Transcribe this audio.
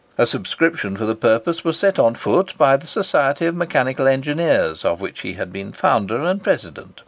A subscription for the purpose was set on foot by the Society of Mechanical Engineers, of which he had been the founder and president.